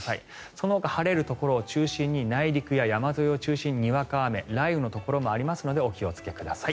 そのほか晴れるところを中心に内陸や山沿いを中心ににわか雨雷雨のところもありますのでお気をつけください。